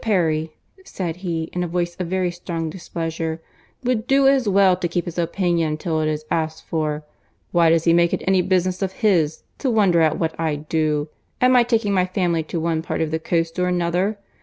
Perry," said he, in a voice of very strong displeasure, "would do as well to keep his opinion till it is asked for. Why does he make it any business of his, to wonder at what I do?—at my taking my family to one part of the coast or another?